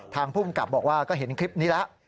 ทางผู้มกลับบอกว่าก็เห็นคลิปนี้แล้ว